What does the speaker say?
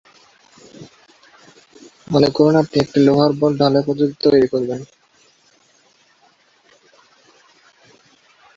মনে করুন আপনি একটি লোহার বল ঢালাই পদ্ধতিতে তৈরি করবেন।